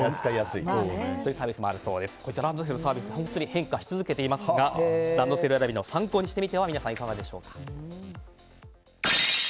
ランドセルのサービス変化し続けていますがランドセル選びの参考にしてみてはいかがでしょうか。